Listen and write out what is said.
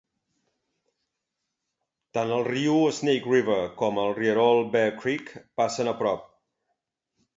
Tant el riu Snake River com el rierol Bear Creek passen a prop.